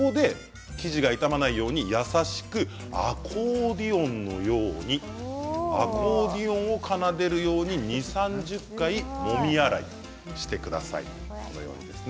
ここで生地が傷まないように優しくアコーディオンのようにアコーディオンを奏でるように２０、３０回もみ洗いしてください。